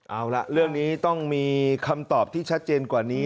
เอาล่ะเรื่องนี้ต้องมีคำตอบที่ชัดเจนกว่านี้